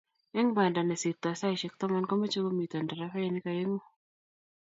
eng Banda nesirtoi saishek taman komeche komito nderefainik aengu